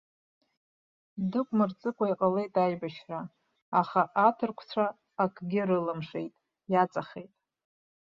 Дук мырҵыкәа иҟалеит аибашьра, аха аҭырқәцәа акгьы рылымшеит, иаҵахеит.